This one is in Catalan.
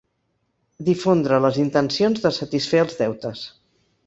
Difondre les intencions de satisfer els deutes.